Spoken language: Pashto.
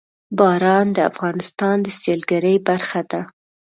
باران د افغانستان د سیلګرۍ برخه ده.